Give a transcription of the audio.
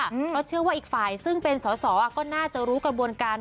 เพราะเชื่อว่าอีกฝ่ายซึ่งเป็นสอสอก็น่าจะรู้กระบวนการ